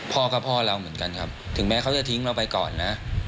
พ่อก็พ่อเราเหมือนกันครับถึงแม้เขาจะทิ้งเราไปก่อนนะ